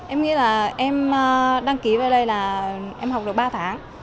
em nghĩ là em đăng ký vào đây là em học được ba tháng